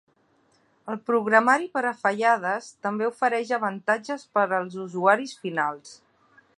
El programari per a fallades també ofereix avantatges per als usuaris finals.